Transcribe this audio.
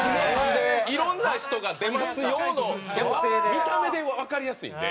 「いろんな人が出ますよ」のやっぱ見た目でわかりやすいんで。